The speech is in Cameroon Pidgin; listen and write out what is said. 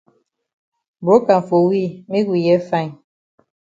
Broke am for we make we hear fine.